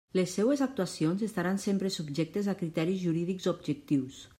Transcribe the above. Les seues actuacions estaran sempre subjectes a criteris jurídics objectius.